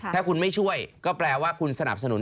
ถ้าคุณไม่ช่วยก็แปลว่าคุณสนับสนุน